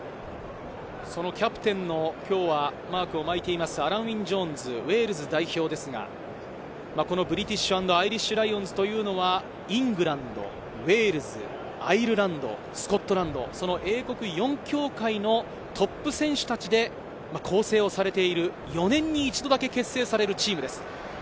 そのキャプテンのマークを巻いていますアラン＝ウィン・ジョーンズ、ウェールズ代表ですが、このブリティッシュ＆アイリッシュ・ライオンズというのはイングランド、ウェールズ、アイルランド、スコットランド、その英国四協会のトップ選手たちで構成されている４年に１度だけ結成されるチームです。